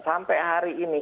sampai hari ini